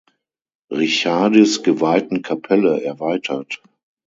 Richardis geweihten Kapelle erweitert.